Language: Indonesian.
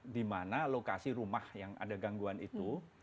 di mana lokasi rumah yang ada gangguan itu